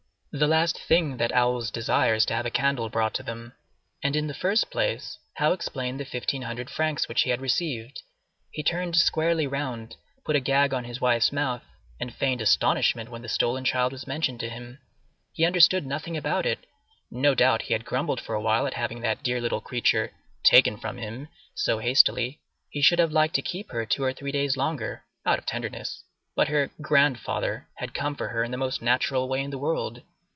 The last thing that owls desire is to have a candle brought to them. And in the first place, how explain the fifteen hundred francs which he had received? He turned squarely round, put a gag on his wife's mouth, and feigned astonishment when the stolen child was mentioned to him. He understood nothing about it; no doubt he had grumbled for awhile at having that dear little creature "taken from him" so hastily; he should have liked to keep her two or three days longer, out of tenderness; but her "grandfather" had come for her in the most natural way in the world.